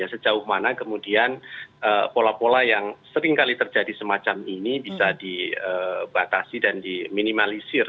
sejauh mana kemudian pola pola yang seringkali terjadi semacam ini bisa dibatasi dan diminimalisir